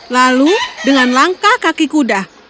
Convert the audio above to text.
lalu dengan langkah kaki kuda